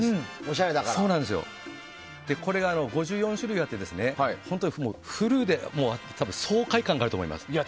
これが、５４種類あって本当にフルで爽快感があると思います。